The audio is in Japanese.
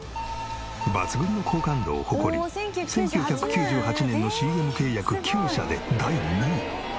抜群の好感度を誇り１９９８年のＣＭ契約９社で第２位。